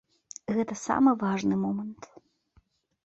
Гэта самы важны момант.